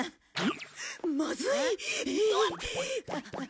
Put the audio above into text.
まずい！